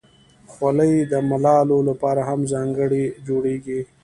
خولۍ د ملالو لپاره هم ځانګړې جوړیږي.